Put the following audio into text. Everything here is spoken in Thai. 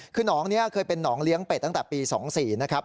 คือน้องเนี้ยเคยเป็นน้องเลี้ยงเป็ดตั้งแต่ปีสองสี่นะครับ